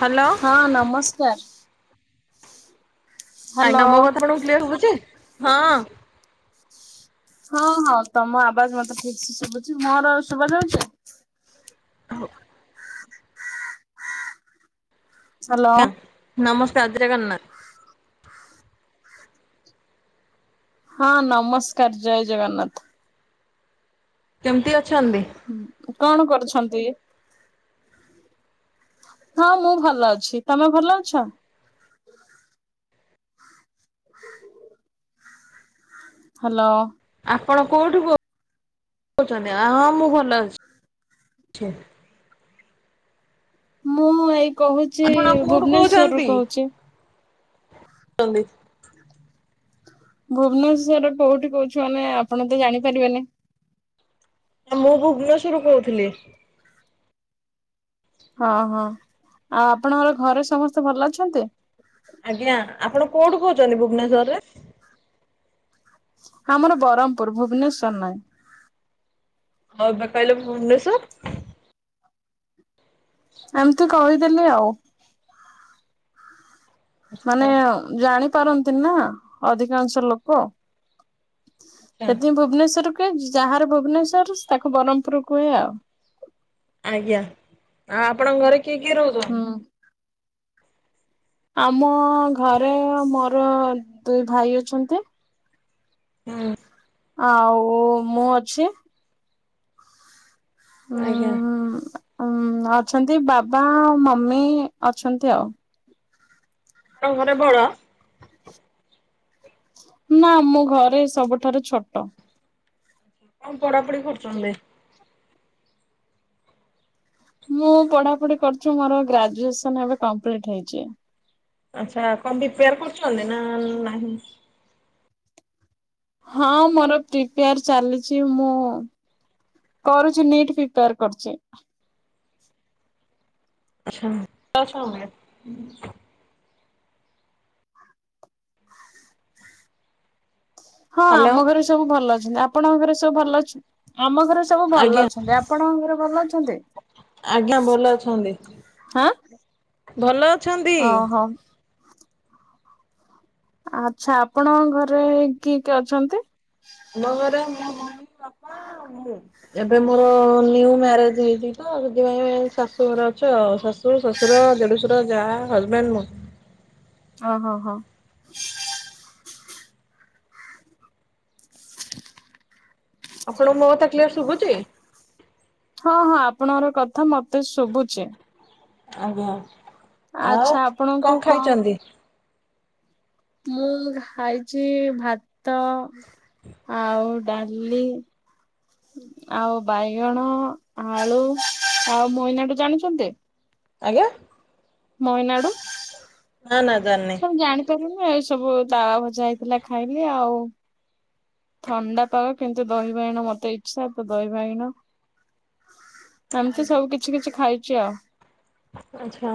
Hello. ହଁ ନମସ୍କାର। Hello. [unintelligible] ହଁ। ହଁ ହଁ ତମ ଆବାଜ ମତେ ଠିକସ ଶୁଭୁଚି ମୋର ଶୁଭା ଯାଉଚି? ହଉ। ହ୍ୟାଲୋ ହ ନମସ୍କାର ଆଦ୍ରଗାନା। ହଁ ନମସ୍କାର ଜଏ ଜଗନ୍ନାଥ। କେମତି ଅ କଣ କରୁଛନ୍ତି? ହଁ ମୁଁ ଭଲ ଅଛି ତମେ ଭଲ ଅଛ [inaudible] ହାଲୋ। ଆପଣ କଉଁଠୁ କହୁଛନ୍ତି ଆ ହଁ ମୁଁ ଭଲ ଅଛି। ମୁଁ ଏଇ କହୁଛି ଭୁବନେଶ୍ଵରୁ କହୁଚି। କନ୍ଦି ଭୁବନେଶ୍ଵର କୋଉଠି କହୁଚୁ ମାନେ ଆପଣ ତ ଜାଣିପାରିବେନି? ମୁଁ ଭୁବନେଶ୍ଵର ରୁ କହୁଥିଲି। ହଁ ହଁ ଆଉ ଆପଣଙ୍କର ଘରେ ସମସ୍ତେ ଭଲ ଅଛନ୍ତି ଆଜ୍ଞା ଆପଣ କୋଉଠୁ କହୁଚନ୍ତି ଭୁବନେଶ୍ଵର ରେ ହଁ ଆମର ବରମପୁର ଭୁବନେଶ୍ଵର ନାହିଁ ଆଉ ଏବେ କହିଲେ ଭୁବନେଶ୍ୱର। ଏମତି କହିଦେଲି ଆଉ। ମାନେ ଜାଣି ପାରନ୍ତିନି ନା ଅଧିକାଂଶ ଲୋକ। ଆଚ୍ଛା ସେଥିିଁ ପାଇଁ ଭୁବନେଶ୍ଵର କୁହେ। ଯାହାର ଭୁବନେଶ୍ଵର ତାକୁ ବରମ୍ପୂର୍ କୁହେ ଆଉ। ଆଜ୍ଞା ଆଉ ଆପଣଙ୍କ ଘରେ କିଏ କିଏ ରହୁଚ ହୁଁ। ଆମ ଘରେ ମୋର ଦୁଇ ଭାଇ ଅଛନ୍ତି। ହୁଁ। ଆଉ ମୁଁ ଅଛି। ଉଁ ଆଜ୍ଞା। ଉଁ ଅଛନ୍ତି ବାବା ଆଉ ମମି ଅଛନ୍ତି ଆଉ। ଙ୍କ ଘରେ ବଡ? ନା ମୁଁ ଘରେ ସବୁଠାରୁ ଛୋଟ। ଆଉ ପଢାପଢି କରୁଚନ୍ତି? ମୁଁ ପଢାପଢି କରିଚି, ମୋର ଗ୍ରାଜୁଏସନ ଏବେ କମ୍ପ୍ଲିଟ ହେଇଚି। ଆଚ୍ଛା କଣ ପ୍ରିପାର କରୁଚନ୍ତି ନା ନାହିଁ? ହଁ ମୋର ପ୍ରିପେୟାର ଚାଲିଚି ମୁଁ କରୁଛି ନିଟ୍ ପ୍ରିପେୟାର କରୁଚି। ଆଛା ଲ ଅଛନ୍ତି? ହଁ ହ୍ୟାଲୋ ଆମ ଘରେ ସବୁ ଭଲ ଅଛନ୍ତି। ଆପଣଙ୍କ ଘରେ ସବୁ ଭଲ ଅ ଆମ ଘରେ ସବୁ ଆଜ୍ଞା ଭଲ ଅଛନ୍ତି। ଆ ଆପଣଙ୍କ ଘରେ ଭଲ ଅଛନ୍ତି? ଆଜ୍ଞା ଭଲ ଅଛନ୍ତି। ହାଁ। ଭଲ ଅଛନ୍ତି। ଓହୋ ଆଚ୍ଛା ଆପଣଙ୍କ ଘରେ କିଏ କିଏ ଅଛନ୍ତି? ମ ଘରେ ମୋ ମମି ବାପା ଆଉ ମୁଁ। ଏବେ ମୋର ନିୁ ମ୍ୟାରେଜ ହେଇଚି ତ ସେଥିପାଇଁ ଶାଶୁଘର ଅଛି ଆଉ ଶାଶୁ ଶଶୁ ଶୁର ଦେଢୁସର ଯାହା ହଜବେଣ୍ଡ ମୁଁ। ଓହୋ ହୋ। ଆପଣଙ୍କୁ ମୋ କଥା କ୍ଲିୟର ଶୁଭୁଚି? ହଁ ହଁ ଆପଣଙ୍କର କଥା ମତେ ଶୁଭୁଚି। ଆଜ୍ଞା ଆଉ ଆଚ୍ଛା ଆପଣଙ୍କୁ କଣ ଖାଇଚନ୍ତି? ମୁଁ ଖାଇଚି ଭାତ ଆଉ ଡାଲି ଆଉ ବାଇଗଣ ଆଳୁ ଆଉ ମୟନାଡୁ ଜାଣିଚନ୍ତି? ଆଜ୍ଞା? ମୟନାଡ଼ୁ? ନାଁ ନାଁ ଜାଣିନି। ମୁଁ ଜାଣିପାରିବିନି ଏଇ ସବୁ ତାୱ ଭଜା ହେଇଥିଲା ଖାଇଲି ଆଉ। ଥଣ୍ଡା ପାଗ କିନ୍ତୁ ଦହି ବାଇଗଣ ମତେ ଇଚ୍ଛା ତ ଦହି ବାଇଗଣ ଏମତି ସବୁ କିଛି କିଛି ଖାଇଚି ଆଉ। ଆଚ୍ଛା।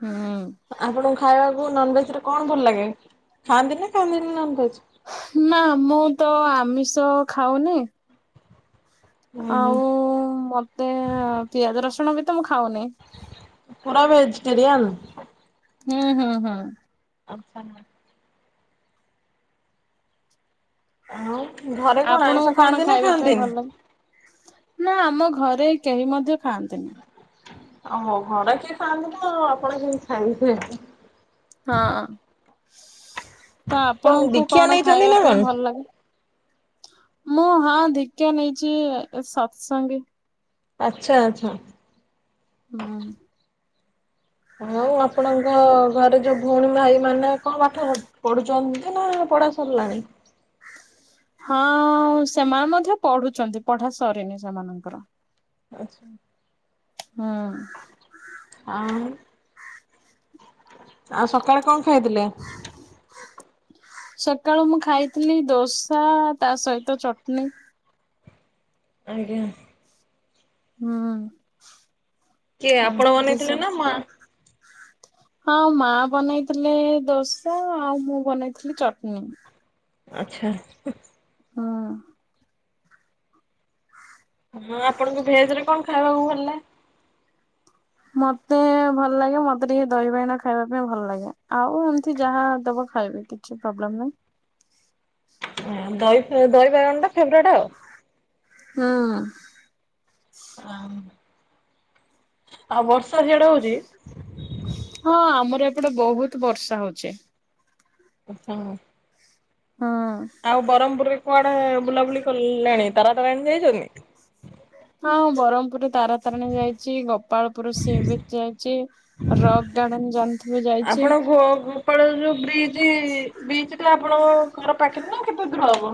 ହୁଁ। ଆପଣଙ୍କୁ ଖାଇବାକୁ ନନଭେଜ ରେ କଣ ଭଲ ଲାଗେ, ଖାଆନ୍ତି ନା ଖାଆନ୍ତିନି ନନଭେଜ? ନା ମୁଁ ତ ଆମିଷ ଖାଉନି। ହୁଁ ହୁଁ ଆଉ ମତେ ପିଆଜ ରସୁଣ ବି ତ ମୁଁ ଖାଉନି। ପୁରା ଭେଜିଟେରିୟାନ? ହୁଁ ହୁଁ ହୁଁ। ଆଚ୍ଛା। ହଉ। ଆପଣଙ୍କୁ କଣ ଖାଇବା ପାଇଁ ଭଲ ଲାଗେ? ନା ଆମ ଘରେ କେହି ମଧ୍ୟ ଖାଆନ୍ତିନି। ଓୋହୋ ଘର କେହି ଖାଆନ୍ତିନି ଆଉ ଆପଣ କେମିତି ଖାଇବେ। ହଁ। ତ କଣ ଆପଣଙ୍କୁ ଦୀକ୍ଷା କଣ ନେଇଛନ୍ତି ଖାଇବା ନା କଣ? ପାଇଁ ଭଲ ଲାଗେ? ମୁଁ ହଁ ଦୀକ୍ଷା ନେଇଛି ସତ୍ ସଙ୍ଗୀ। ଆଚ୍ଛା ଆଚ୍ଛା। ହୁଁ। ଆଉ ଆପଣଙ୍କ ଘରେ ଯୋଉଁ ଭଉଣୀ ଭାଇ ମାନେ କଣ ପାଠ ପଢ଼ୁଛ ପଢୁଛନ୍ତି ନା ପଢା ସରିଲାଣି? ହଁ ସେମାନେ ମଧ୍ୟ ପଢୁଛନ୍ତି ପଢା ସରିନି ସେମାନଙ୍କର। ଓହ। ହ। ଆଉ? ଆଉ ସକାଳେ କଣ ଖାଇଥିଲେ? ସକାଳୁ ମୁଁ ଖାଇଥିଲି ଦୋସା ତା ସହିତ ଚଟନୀ। ଆଜ୍ଞା। ହୁଁ। କିଏ ଆପଣ ଏମତି ବନେଇଥିଲେ ସବୁ ନା ମା? ହଁ ମା ବନେଇଥିଲେ ଦୋସା ଆଉ ମୁଁ ବନେଇଥିଲି ଚଟନି। ଆଚ୍ଛା। ହଁ। ହଁ ଆପଣଙ୍କୁ ଭେଜ ରେ କଣ ଖାଇବାକୁ ଭଲ ଲେଗେ? ମତେ ଭଲ ଲାଗେ ମତେ ଟିକେ ଦହି ବାଇଗଣ ଖାଇବା ପାଇଁ ଭଲ ଲାଗେ ଆଉ ଏମତି ଯାହା ଦବ ଖାଇବି। କିଛି ପ୍ରୋବ୍ଲେମ୍ ନାହିଁ। ଦ ଦହି ବାଇଗଣ ଟା ଫେବରେଟ୍ ଆଉ। ହଁ। ହ ଆଉ ବର୍ଷା ଝିଆଡେ ହଉଛି କି? ହଁ ଆମର ଏପଟେ ବହୁତ ବର୍ଷା ହଉଛି। [inaudible] ହଁ। ଆଉ ବ୍ରହ୍ମପୁରରେ କୁଆଡେ ବୁଲାବୁଲି କଲେଣି ତାରା ତାରାଣୀ ଯାଇଛନ୍ତି? ହଁଁ ବ୍ରହ୍ମପୁରରେ ତାରା ତାରିଣୀ ଯାଇଛି। ଗ ଗୋପାଳପୁର ସି ବି ଯାଇଛି। ରକ୍ ଗାର୍ଡେନ ଜାନ ଥିବେ ଯାଇଛି। ୋ ଗୋପାଳ ଯୋଉ ବ୍ରିଜ୍ ବ୍ରିଜ ଟା ଆପଣଙ୍କ ଘର ପାଖରେ ନା କେତେ ଦୂର ହବ?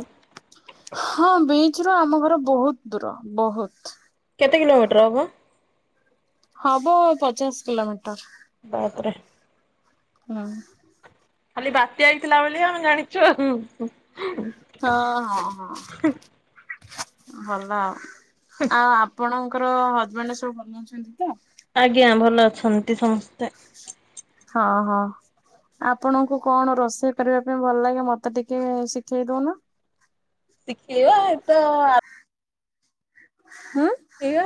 ହଁ ବିଚ ରୁ ଆମ ଘର ବହୁତ ଦୂର ବହୁତ। କେତେ କିଲୋମିଟର ହବ? ହବ ପଚାଶ କିଲୋମିଟର। ବାପରେ [inaudible] ଖାଲି ବାତ୍ୟା ହେଇଥିଲା ବୋଲି ଆମେ ଜାଣିଛୁ ହଁ ହଁ ହଁ ଭଲ ଆଉ ଆଉ ଆପଣଙ୍କର ହଜବେଣ୍ଡ ସବୁ ଭଲ ଅଛନ୍ତି ତ ଆଜ୍ଞା ଭଲ ଅଛନ୍ତି ସମସ୍ତେ ହଁ ହଁ ଆପଣଙ୍କୁ କଣ ରୋଷେଇ କରିବା ପାଇଁ ଭଲ ଲାଗେ ମତେ ଟିକେ ଶିଖେଇ ଦଉ ନା ଶିଖେଇିବା ତ [unintelligible] ହଁ ଶିଖେଇବା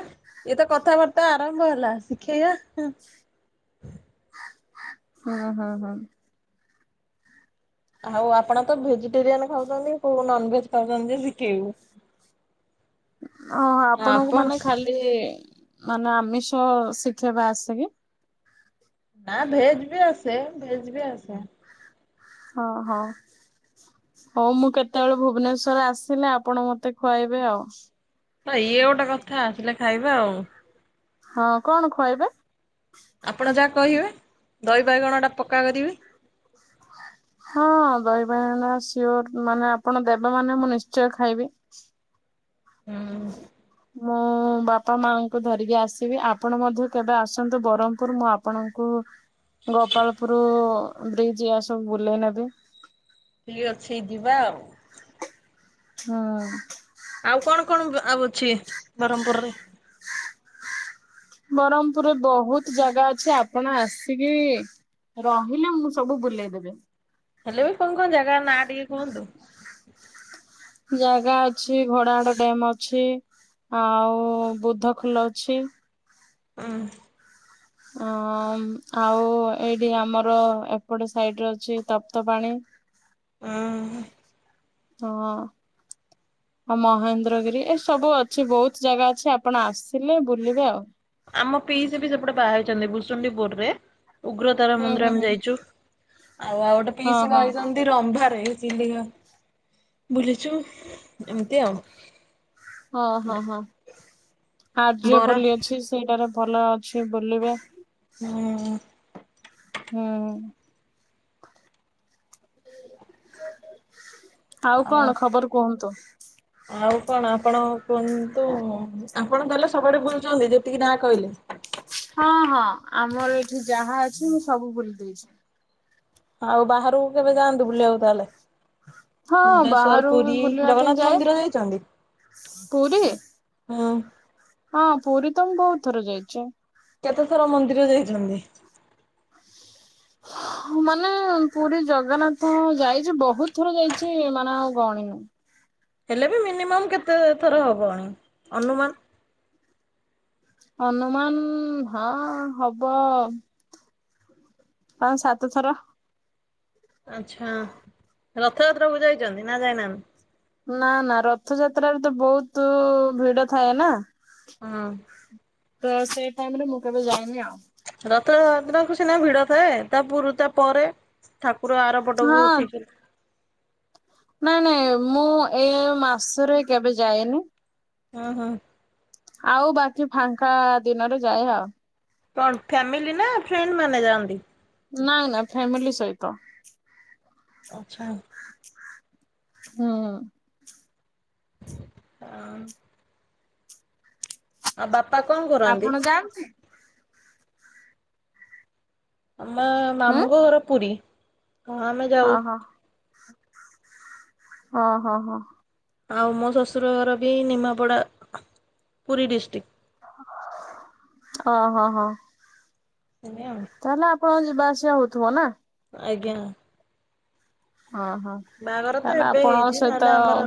ଇଏ ତ କଥାବାର୍ତ୍ତା ଆରମ୍ଭ ହେଲା ଶିଖେଇବା ହଁ ହଁ ହଁ ଆଉ ଆପଣ ତ ଭେଜିଟେରିଆନ ଖାଉଛନ୍ତି କଉ ନନ୍‌ଭେଜ ଖାଉଛନ୍ତି ଯେ ଶିଖେଇବୁ ଓ ଆପଣଙ୍କୁ ଆପଣ ମାନେ ଖାଲି ମାନେ ଆମିଷ ଶିଖେଇବା ଆସେ କି? ନା ଭେଜ୍‌ ବି ଆସେ ଭେଜ୍‌ ବି ଆସେ ହଁ ହଁ ହଉ ମୁଁ କେତେବେଳେ ଭୁବନେଶ୍ୱର ଆସିଲେ ଆପଣ ମତେ ଖୁଆଇବେ ଆଉ ତ ଇଏ ଗୋଟେ କଥା ଆସିଲେ ଖାଇବେ ଆଉ ହଁ କଣ ଖୁଆଇବେ ଆପଣ ଯାହା କହିବେ ଦହି ବାଇଗଣଟା ପକ୍କା କରିବେ ହଁ ଦହିବାଇ ସିଓ [unintelligible] ମାନେ ଆପଣ ଦେବେ ମାନେ ମୁଁ ନିଶ୍ଚୟ ଖାଇବି ହଁ ହ [inaudible] ମୁଁ ବାପା ମାଙ୍କୁ ଧରିକି ଆସିବି ଆପଣ ମଧ୍ୟ କେବେ ଆସନ୍ତୁ ବ୍ରହ୍ମପୁର ମୁଁ ଆପଣଙ୍କୁ ଗୋପାଳପୁର ବ୍ରିଜ୍‌ ଏରା ସବୁ ବୁଲେଇ ନେବି ଠିକ୍ ଅଛି ଯିବା ଆଉ ହୁଁ ଆଉ କଣ କଣ ଆଉ ଅଛି ବ୍ରହ୍ମପୁରରେ? ବ୍ରହ୍ମପୁରରେ ବହୁତ ଜାଗା ଅଛି ଆପଣ ଆସିକି ରହିଲେ ମୁଁ ସବୁ ବୁଲେଇଦେବି ହେଲେ ବି କଣ କଣ ଜାଗା ନା ଟିକେ କୁହନ୍ତୁ ଜାଗା ଅଛି ଘଡାହାଡ ଡ୍ୟମ୍ ଅଛି ଆଉ ବୁଧ ଫୁଲ [unintelligible] ଅଛି ହଁ ଅ ଆଉ ଏଇଠି ଆମର ଏପଟେ ସାଇଟି ରେ ଅଛି ତପ୍ତ ପାଣି ହଁ ହଁ ଏ ମହେନ୍ଦ୍ରଗିରି ଏ ସବୁ ଅଛି ବହୁତୁ ଜାଗା ଅଛି ଆପଣ ଆସିଲେ ବୁଲିବେ ଆଉ। ଆମ ପିଇସି ବି ସେପଟେ ବାହା ହେଇଛନ୍ତି ଭୁସୁଣ୍ଡି ପୁରୁ ରେ ଉଗ୍ରତାରା ହୁଁ ମନ୍ଦିର ହୁଁ ଆମେ ହୁଁ। ଯାଇଛୁ ଆଉ ଆଉ ଗୋଟେ ହଁ ପିଇସି ହଁ। ବାହା ହେଇଛନ୍ତି ରମ୍ଭାରୋ ଚିଲିକା ବୁଲୁଛୁ ଏମତି ଆଉ ଓଁ ହଁ ହଁ ବର ଆଯ୍ୟପଲି ଅଛି ସେଇଟାରେ ଭଲ ଅଛି ବୁଲିବ ହଁ। ହୁଁ। ଆଉ କଣ ଖବର କୁହନ୍ତୁ? ଆଉ କଣ ଆପଣ କୁହନ୍ତୁ ଆପଣ ତାହଲେ ସବୁଆଡେ ବୁଲୁଛନ୍ତି ଯେତିକି ନା କହିଲେ ହଁ ହଁ ଆମର ଏଠି ଯାହା ଅଛି ମୁଁ ସବୁ ବୁଲି ଦେଇ ଦେଇଛି। ଆଉ ବାହାରକୁ କେବେ ଯାଆନ୍ତୁ ବୁଲିବାକୁ ତାହେଲେ? ହଁ ଭୁବନେଶ୍ବର ବାହାରୁ ବି ପୁରୀ ବୁଲିବା ପାଇଁ ଜଗନ୍ନାଥ ଯାଏ ମନ୍ଦିର ଯାଇଛନ୍ତି? ପୁରୀ ହଁ। ହଁ ପୁରୀ ତ ମୁଁ ବହୁତ ଥର ଯାଇଛି। କେତେଥର ମନ୍ଦିର ଯାଇଛନ୍ତି? [unintelligible] ମାନେ ପୁରୀ ଜଗନ୍ନାଥ ଯାଇଛି ବହୁତ ଥର ଯାଇଛି ମାନେ ଆଉ ଗଣିନୁ। ହେଲେ ବି ମିନିମମ୍ କେତେ ଥର ହବ ଅନୁମାନ? ଅନୁମାନ ହଁ ହବ ପାଞ୍ଚ ସାତଥର। ଆଛା ରଥଯାତ୍ରାକୁ ଯାଇଛନ୍ତି ନା ଯାଇନାହାନ୍ତି? ନା ନା ରଥଯାତ୍ରାରେ ତ ବହୁତ ଭିଡ ଥାଏ ନା! ହୁଁ ତ ସେଇ ଟାଇମ ରେ ମୁଁ କେବେ ଯାଇନି ଆଉ। ରଥଯାତ୍ରକୁ ସିନା ଭିଡ ଥାଏ ତା ପୁରୁ ତା ପରେ ଠାକୁର ଆର, ପଟକୁ ହଁ ଥିବେ। ନାଇଁ ନାଇଁ ମୁଁ ଏ ମାସରେ କେବେ ଯାଏନି। ହୁଁ ହୁଁ। ଆଉ ବାକି ଫାଙ୍କା ଦିନରେ ଯାଏ ଆଉ। କଣ ଫ୍ୟାମିଲି ନା ଫ୍ରେଣ୍ଡ ମାନେ ଯାଆନ୍ତି? ନାଇଁ ନାଇଁ ଫ୍ୟାମିଲି ସହିତ। ଆଛା। ହୁଁ। ହଁ [unintelligible] ଆଉ ବାପା କଣ କରନ୍ତି? ଯାଉଚି ଆମ ହୁଁ ମାମୁଁଙ୍କ ଘର ପୁରୀ ହଁ ଆମେ ଯାଉ। ଓହୋ ହଁ ହଁ ହଁ। ଆଉ ମୋ ଶଶୁର ଘର ବି ନିମାପଡ଼ା ପୁରୀ ଡିଷ୍ଟ୍ରିକ୍ଟ। ଓ ହହ। ସେ ଆଉ [unintelligible] ତାହେଲେ ଆପଣଙ୍କ ଯିବା ଆସିବା ହଉଥିବ ନା? ଆଜ୍ଞା। ଓହୋ ବାହାଘର ତ ତାହେଲେ ଏବେ ଆପଣ ହେଇଛି ସହିତ ନହେଲେ ଆମର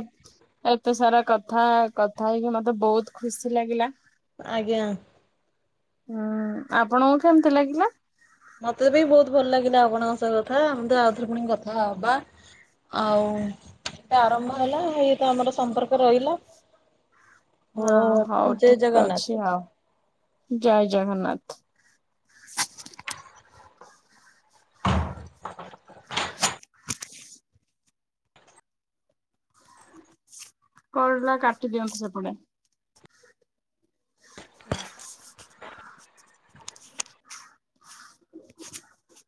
ଏତେ ସାରା କଥା କଥା ହେଇକି ମତେ ବହୁତ ଖୁସି ଲାଗିଲା। ଆଜ୍ଞା। ହୁଁ ଆପଣଙ୍କୁ କେମତି ଲାଗିଲା? ମତେ ବି ବହୁତ ଭଲ ଲାଗିଲା ଆପଣଙ୍କ ସହ କଥା ଆମେ ତ ଆଉଥରେ ପୁଣି କଥା ହବା। ଆଉ ଆରମ୍ଭ ହେଲା ଏଇତ ଆମର ସମ୍ପର୍କରେ ରହିଲା। [unintelligible] ହଁ ହଉ ଜୟ ଠିକ ଜଗନ୍ନାଥ। ଅଛି ଆଉ ଜୟ ଜଗନ୍ନାଥ। [inaudible] କଲଟା କାଟି ଦିଅନ୍ତୁ ସେପଟେ [inaudible]